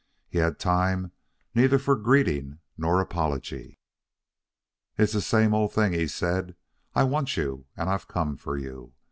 He had time neither for greeting nor apology. "It's the same old thing," he said. "I want you and I've come for you.